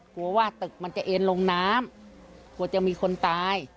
กลัวว่าตึกมันจะเอ็นลงน้ำกลัวจะมีคนตาย